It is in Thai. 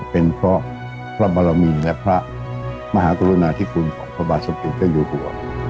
เป็นเพราะพระบรมีและพระมหากรุณาธิคุณของพระบาทสมเด็จเจ้าอยู่หัว